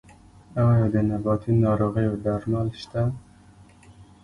آیا د نباتي ناروغیو درمل شته؟